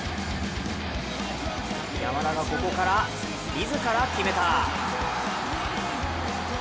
山田がここから自ら決めた。